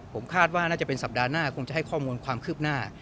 ผมคาดว่าน่าจะเป็นสัปดาห์หน้าคงจะให้ข้อมูลความคืบหน้า